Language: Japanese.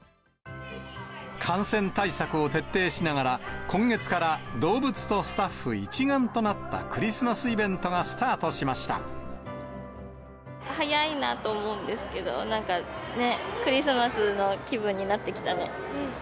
感染対策を徹底しながら、今月から動物とスタッフ一丸となったクリスマスイベントがスター早いなと思うんですけど、なんかね、クリスマスの気分になってきたね。